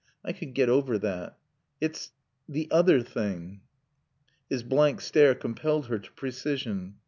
I could get over that. It's the other thing." His blank stare compelled her to precision.